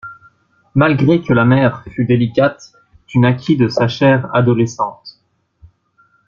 Malgré que la mère fut délicate, tu naquis de sa chair adolescente.